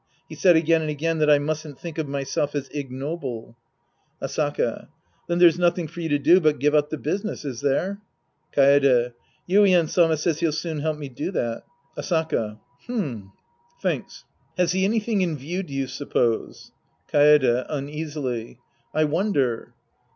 He said again and again that I mustn't think of myself as ignoble. Asaka. Then there's nothing for you to do but give up the business, is there ? Kaede. Yuien Sama says he'll soon help me do that. Sc, I The Priest and His Disciples t67 Asaka. H'm. {Thinks.) Has he anything in view, do you suppose ? Kaede {iimasily). I wonder.